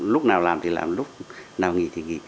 lúc nào làm thì làm lúc nào nghỉ thì nghỉ